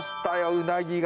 うなぎが。